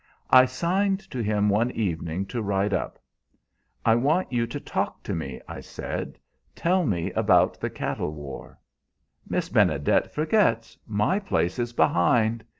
"I signed to him one evening to ride up. 'I want you to talk to me,' I said. 'Tell me about the cattle war.' "'Miss Benedet forgets my place is behind.'